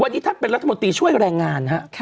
วันนี้ท่านเป็นรัฐมนตรีช่วยแรงงานฮะ